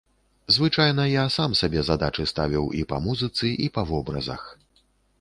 Звычайна я сам сабе задачы ставіў і па музыцы, і па вобразах.